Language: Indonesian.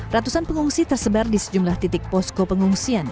ratusan pengungsi tersebar di sejumlah titik posko pengungsian